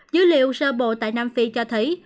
dữ liệu sơ bộ tại nam phi cho thấy